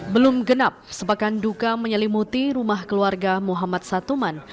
belum genap sepakan duka menyelimuti rumah keluarga muhammad satuman